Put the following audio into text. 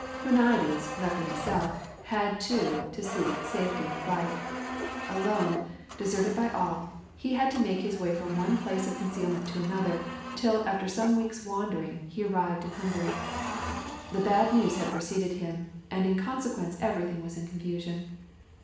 Huniades, left to himself, had too to seek safety in flight. Alone, deserted by all, he had to make his way from one place of concealment to another till after some weeks' wandering he arrived in Hungary. The bad news had preceded him; and in consequence everything was in confusion.